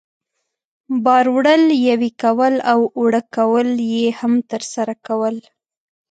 بار وړل، یوې کول او اوړه کول یې هم ترسره کول.